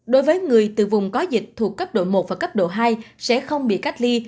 đối với người từ vùng có dịch thuộc cấp độ một và cấp độ hai sẽ không bị cách ly